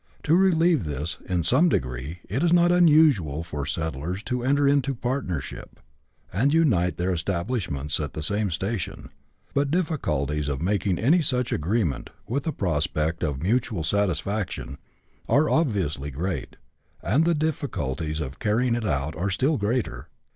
To relieve this in some degree it is not unusual for settlers to enter into partnership and unite their establishments at the same station. But the difficulties of making any such arrangement, with a prospect of mutual satisfaction, are obviously great, and the dif ficulties of carrying it out are still greater.